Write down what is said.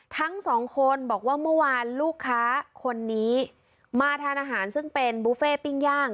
ทั้งสองคนบอกว่าเมื่อวานลูกค้าคนนี้มาทานอาหารซึ่งเป็นบุฟเฟ่ปิ้งย่าง